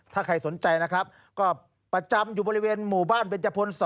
ถ้าใครสนใจนะครับก็ประจำอยู่บริเวณหมู่บ้านเบนจพล๒